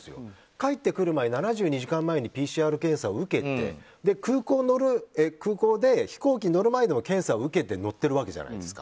帰ってくる７２時間前にＰＣＲ検査を受けて空港で飛行機に乗る前にも検査を受けて乗っているわけじゃないですか。